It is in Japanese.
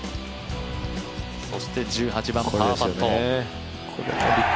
そして１８番、パーパット。